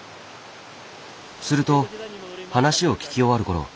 すると話を聞き終わるころ